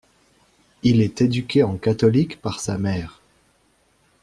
Il est éduqué en catholique par sa mère.